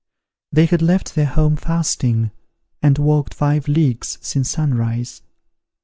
They had left their home fasting, and walked five leagues since sunrise.